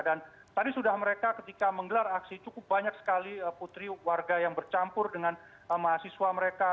dan tadi sudah mereka ketika menggelar aksi cukup banyak sekali putri warga yang bercampur dengan mahasiswa mereka